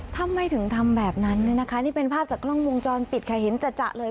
ทำไมถึงทำแบบนั้นเนี่ยนะคะนี่เป็นภาพจากกล้องวงจรปิดค่ะเห็นจัดเลย